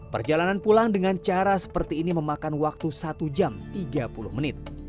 perjalanan pulang dengan cara seperti ini memakan waktu satu jam tiga puluh menit